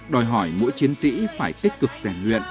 đòi hỏi mỗi chiến sĩ phải tích cực rèn luyện